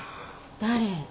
誰？